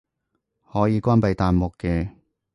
可以關閉彈幕嘅